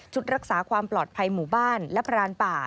รักษาความปลอดภัยหมู่บ้านและพรานป่า